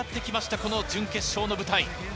この準決勝の舞台。